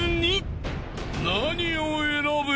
［何を選ぶ？］